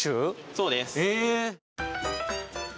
そうです。